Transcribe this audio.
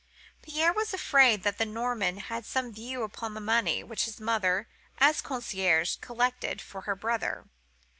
"Pierre was afraid that the Norman had some view upon the money which his mother, as concierge, collected for her brother.